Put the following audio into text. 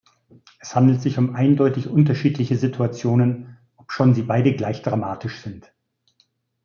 Es handelt sich um eindeutig unterschiedliche Situationen, obschon sie beide gleich dramatisch sind.